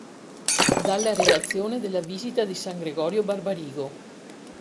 Dalla relazione della visita di san Gregorio Barbarigo.